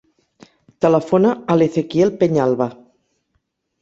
Telefona a l'Ezequiel Peñalba.